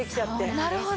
なるほど。